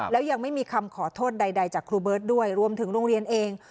แล้วยังไม่มีคำขอโทษใดจากครูเบิร์ตด้วยรวมถึงโรงเรียนเอง